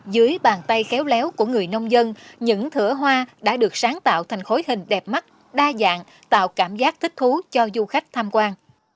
dưới bàn tay khéo léo của người nông dân những thửa hoa đã được sáng tạo thành khối hình đẹp mắt đa dạng tạo cảm giác thích thú cho du khách tham quan